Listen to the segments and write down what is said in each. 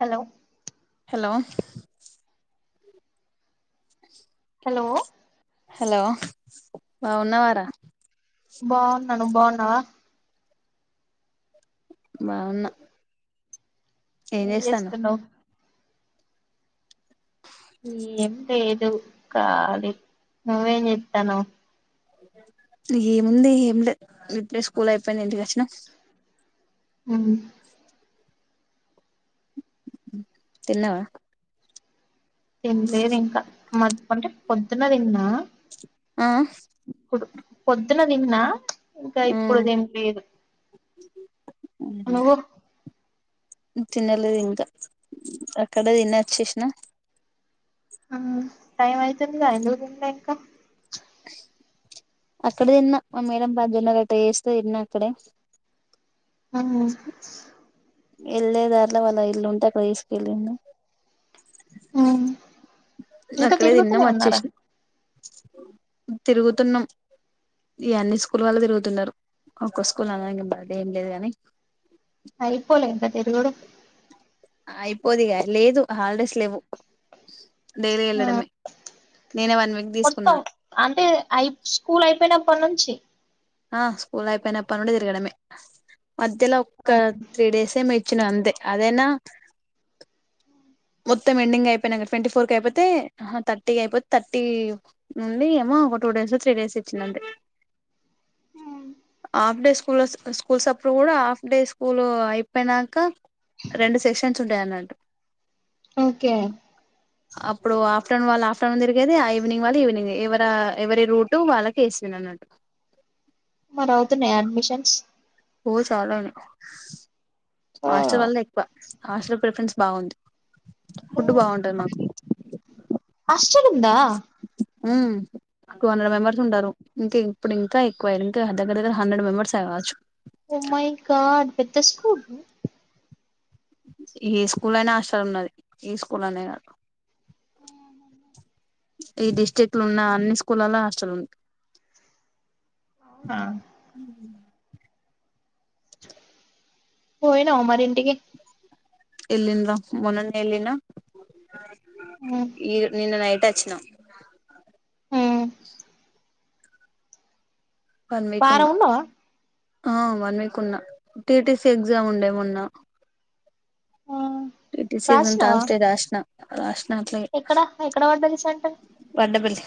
Hello లో [unintelligible] లో లో బాగున్నవారా బాగున్నా నువ్ బాగున్నవా బాగున్నా ఏం చేస్తాను ఏస్తున్నవ్ కాళి నువ్వేం చేత్తనవ్ ఏముంది ఏమ్ లేద్ ఇప్పుడే స్కూల్ అయిపోయింది ఇంటికచ్చిన ఉహు తిన్నవా ఏంలేదింకా మద్ అంటే పొద్దున్న తిన్న ఆహ్ పొద్దున తిన్నా ఇంకా ఇప్పుడు తిన్లేదు నువ్వు తినలేదింకా అక్కడే తినచ్చేసిన ఉ టైమైతుందీ గా ఎందుకు తిన్లే ఇంకా [unintelligible] అక్కడ్తిన్నా మా మేడం పజ్జొన్న రొట్టే చేస్తే తిన్నా అక్కడే ఆ వెళ్ళే దారిలో వాళ్ళ ఇల్లుంటే అక్కడ తీసుకెళ్ళిల్లు ఉమ్. ఇంకా అక్కడే తిరుగుతూనే తిన్నం ఉన్నారా వచ్చేసినం తిరుగుతున్నం ఇగ అన్ని స్కూల్ వాళ్ళు తిరుగుతున్నారు ఒక్క స్కూల్ అననికి బాధెం లేదు గాని అయిపోలే ఇంకా తిరుగడం అయిపోదిగా లేదు హాలిడేస్ లేవ్వు డైలీ ఆ, వెళ్ళడమే నేనే వన్ వీక్ మొత్తం తీసుకున్నా అంటే అయి స్కూల్ అయిపోయినప్పట్ నుంచి ఆ స్కూల్ అయిపోయినప్పన్నుండి తిరగడమే మధ్యలో ఆ, ఒక్క త్రీ డేసే ఏమో ఇచ్ ఇచ్చినా అంతే అదైనా మొత్తం ఎండింగ్ అయిపోయినంక ట్వంటీ ఫోర్ కి అయిపోతే ఆహ థర్టీ అయిపోతే థర్టీ నుండి ఎమొ ఒక టూ డేసో త్రీ డేసో ఇచ్చిండ్లంతే హాఫ్ డే స్కూల్ స్కూల్స్ అప్పుడు కూడా హాఫ్ డే స్కూల్ అయిపోయినాక రెండు సెషన్స్ డైనాల్డ్ ఓకే అప్పుడు ఆఫ్టర్నూన్ వాళ్ళ ఆఫ్ర్నూ తిరిగేది ఆ ఈవినింగ్ వాళ్ళు ఈవినింగ్ ఎవరి ఎవరి రూట్ వాళ్ళకి వేసి [unintelligible] మరి అవుతున్నాయ అడ్మిషన్స్ ఓ చాలానే ఆ హస్టల్ వాలే ఎక్కువ హాస్టల్ ప్రిఫరెన్స్ బాగుంది ఓ, ఫుడ్ బాగుంటుంది మాకు [unintelligible] మ్మ్ టూ హండ్రెడ్ మేంబర్స్ ఉంటారు ఇంకా ఇప్పుడు ఇంక ఎక్కువ [unintelligible] దగ్గ్గర హ్రెడ్ మెంబర్స్ అవచ్చు ఓ మై గాడ్ పెద్ద స్కూలు ఈ స్కూల్ అనే ఆస్టాల్ ఉన్నది ఈ స్కూల్ అనే కాదు ఈ డిస్టిక్లో ఉన్న అన్ని స్కూలాల హాస్టల్ ఉంది అవునా మ్ పొయ్న్నవా మరి ఇంటికి ఎలిన్డ్ర మొనన్నే ఏలినా ఉమ్ ఈ నిన్న నైట్ వచ్చినాం ఉమ్ వన్ వీక్ వారం ఉన్నా ఉన్నావా ఆ వన్ వీక్ ఉన్నా టీటీసీ ఎగ్జామ్ ఉండే మొన్న ఆ టీటీసీ ఎగ్జామ్యే రాసినావా తర్స్ డే రాస్నా [unintelligible] నాట్లే ఎక్కడ ఎక్కడ పడ్డది సెంటర్ వండ బల్లె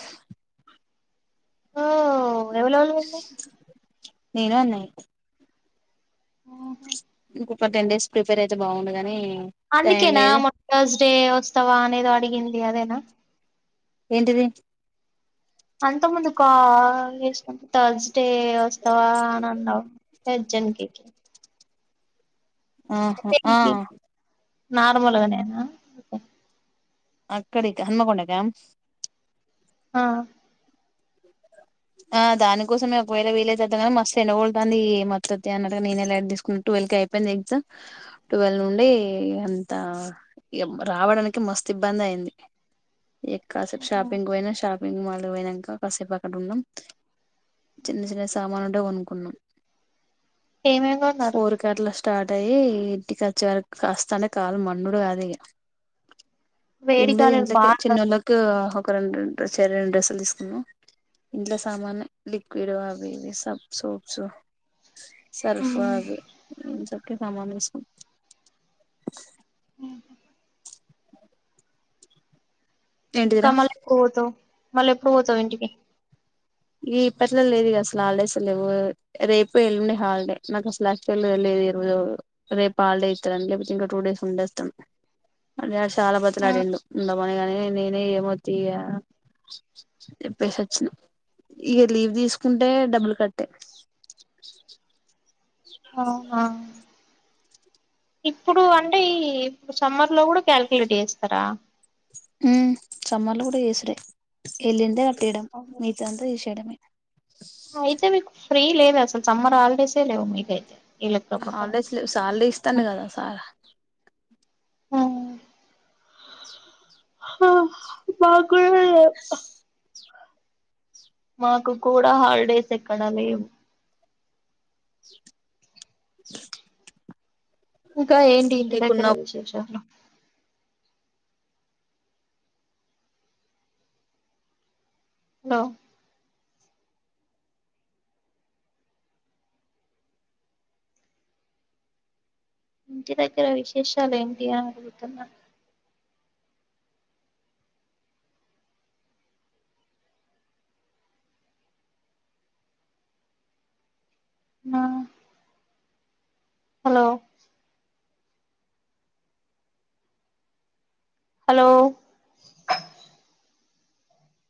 ఓ ఎవ్వలోళ్ళు నేను అన్నాయ్య ఇంకొక టెన్ డేస్ ప్రిపేర్ అయితే బాగుండు గాని టైం అందుకేనా లేదు మొ టర్స్ డే ఉత్సవా అనేది అడిగింది అదేనా ఏంటిది అంతక ముందు కా ల్ చేసినప్పుడు థర్డ్స్ డే వస్తావా అని అన్నావు జన్కకి ఆహ ఆ నార్మల్గానేనా అక్కడికి హన్మకొండకా ఆ ఆ దానికోసమే ఒకవేళ వీలైతే వద్దాంగానీ మస్తు ఎండగోడ్తా ఉంది ఏ మద్దతు అన్నగా నేనేలాది తీసుకుంటూ టువెల్కి అయిపోయింది ఎగ్జామ్ టువెల్ నుండి అంత ఇగ రావడానికి మస్త్ ఇబ్బంది అయింది ఎ కాసేపు ఆ. షాపింగ్ పోయినా షాపింగ్ మాల్ పోయినాక కాసేపు అక్కడ ఉన్నాం చిన్న చిన్న సామాను ఉంటే కొనుక్కున్నాం ఏం ఏం కోన్నారు ఫోర్ కి అట్లా స్టార్ట్ అయ్య ఇంటికి వచ్చే వరకు కాస్తానే కాల మన్నుడు కాదు ఇక వేడి ఏమి లేదు కాలేదు ఇంట్లొకే బాగా చిన్నోళ్ళకి ఒక రెండు చెర రెండు డ్రెస్సులు తీసుకున్నాం ఇంట్లో సామాన్ లిక్విడ్ అవి ఇవి సబ్ సోప్స్ సరఫ అ ఇంతక సామాను తీసుకున్నాం ఇంకా ఏంటిదిరా మళ్ళీ ఎప్పుడు పోతావు మళ్ళీ ఎప్పుడు పోతావు ఇంటికి ఇ ఇప్పట్లో లేదు ఇక అసలు హాలిడేస్లు లేవు రేపు ఎళ్ళండే హాలిడే నాకు అసలు యాక్చువల్ వ్మో వాలు ఈ రోజు రేపు హాలిడే ఇస్తారని లేకపోతే ఇంకా టూ డేస్ ఉండే వస్తాం అడు చాలా బతలాడిండు ఉండమని కాగాని నేనే ఏమోతి చేప్పేసొచ్చిన ఇక లీవ్ తీసుకుంటే డబ్బులు కట్టే ఆహా ఇప్పుడు అంటే ఈ ఇప్పుడు సమ్మర్ లో కూడా కాలకుయులేట్ చేస్తారా హుమ్ సమ్మర్ లో కూడా ఏసీ లె ఎలిందే పెట్టేయడం అవును మీగతా అంతా చేసేయడమే అయితే మీకు ఫ్రీ లేదు అసలు సమ్మర్ హాలిడేసే లేవు మీకైతే ఈ లెక్క ప్రకారం హాలిడేస్ లేవు సాలరీ ఇస్తాండు కదా సార్ [unintelligible] హా మా కూడా లేవు మాకు కూడా హాలిడేస్ ఎక్కడా లేవు [unintelligible] ఇంకా ఏంటి ఇంటి నీకున్న దగ్గర విశేషాలు హాలో ఇంటి దగ్గర విశేషాలు ఏంటి అని అడుగుతున్నా హలో హలో